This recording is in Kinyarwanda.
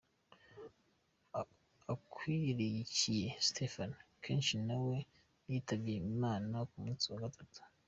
Akwirikiye Stephen Keshi nawe yitavye Imana ku munsi wa gatatu.